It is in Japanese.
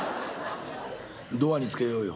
「ドアにつけようよ」。